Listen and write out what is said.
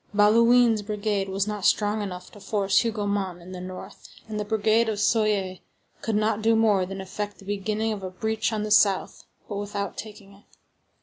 Bauduin's brigade was not strong enough to force Hougomont on the north, and the brigade of Soye could not do more than effect the beginning of a breach on the south, but without taking it.